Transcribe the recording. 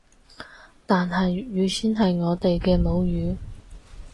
但係粵語先係我哋嘅母語